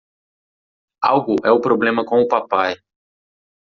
Algo é o problema com o papai.